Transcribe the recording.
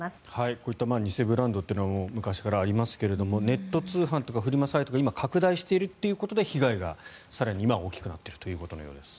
こういった偽ブランドというのは昔からありますがネット通販とかフリマサイトが今、拡大しているということで被害が更に今、大きくなっているということのようです。